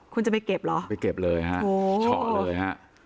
คุณจะไปเก็บเหรอไปเก็บเลยฮะเฉาะเลยฮะ